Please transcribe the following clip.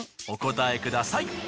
お答えください。